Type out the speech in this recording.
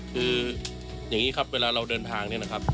คืออย่างนี้ครับเวลาเราเดินทางเนี่ยนะครับ